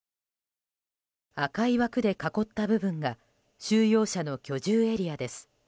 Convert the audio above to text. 赤い枠で囲った部分が収容者の居住エリアです。